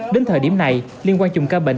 đến thời điểm này liên quan chùm ca bệnh